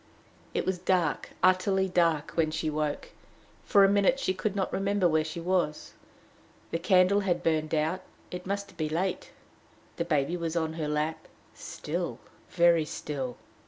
It was dark, utterly dark, when she woke. For a minute she could not remember where she was. The candle had burned out: it must be late. The baby was on her lap still, very still.